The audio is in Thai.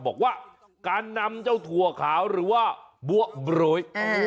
บอกว่าการนำเจ้าถั่วขาวหรือว่าบัวบรวย